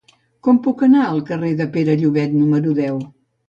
Com puc anar al carrer de Pere Llobet número deu?